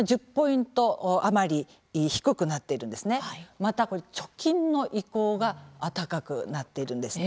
また貯金の意向が高くなっているんですね。